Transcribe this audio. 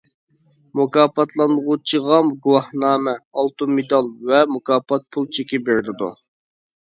مۇكاپاتلانغۇچىغا گۇۋاھنامە، ئالتۇن مېدال ۋە مۇكاپات پۇل چېكى بېرىلىدۇ.